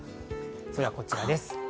それがこちらです。